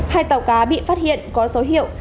hai tàu cá bị phát hiện có số hiệu